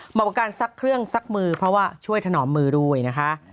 กับการซักเครื่องซักมือเพราะว่าช่วยถนอมมือด้วยนะคะ